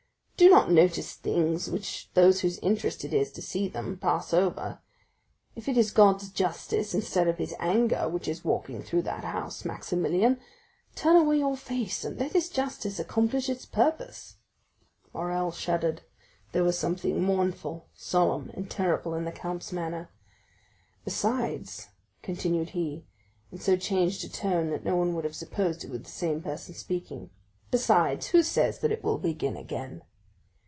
Do not notice things which those whose interest it is to see them pass over. If it is God's justice, instead of his anger, which is walking through that house, Maximilian, turn away your face and let his justice accomplish its purpose." Morrel shuddered. There was something mournful, solemn, and terrible in the count's manner. "Besides," continued he, in so changed a tone that no one would have supposed it was the same person speaking—"besides, who says that it will begin again?"